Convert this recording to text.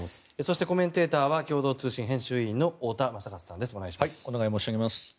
そして、コメンテーターは共同通信編集委員の太田昌克さんです。